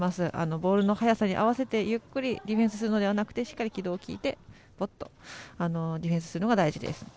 ボールの速さに合わせてゆっくりディフェンスするのではなくてしっかり軌道を聞いてディフェンスするのが大事です。